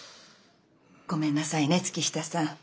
ごめんなさいね月下さん。